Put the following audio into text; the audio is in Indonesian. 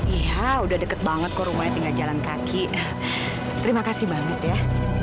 iya udah deket banget kok rumahnya tinggal jalan kaki terima kasih banget ya